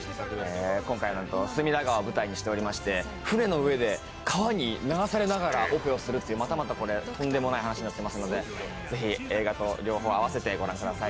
今回は隅田川を舞台にしていまして、船の上で川に流されながらオペをするというまたまたとんでもない話になっていますのでぜひ、映画と両方あわせてご覧ください。